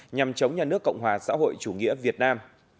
nhằm chống nhà nước cộng hòa xã hội chủ nghĩa việt nam